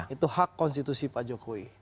itu hak konstitusi pak jokowi